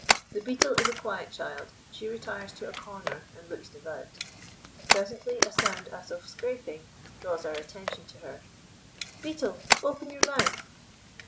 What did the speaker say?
The Beetle is a quiet child. She retires to a corner and looks devout. Presently a sound as of scraping draws our attention to her. "Beetle! Open your mouth!"